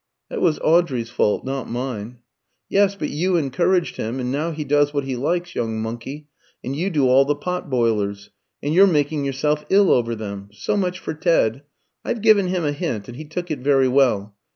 "That was Audrey's fault, not mine." "Yes, but you encouraged him; and now he does what he likes, young monkey, and you do all the pot boilers. And you're making yourself ill over them. So much for Ted. I've given him a hint, and he took it very well.